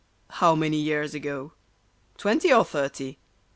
—" How many years ago ? Twenty or thirty